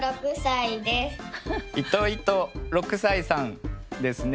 いといと六才さんですね。